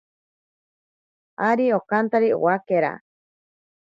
Ari okantari owakera.